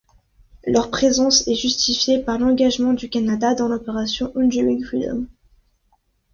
Leur présence est justifiée par l'engagement du Canada dans l'opération Enduring Freedom.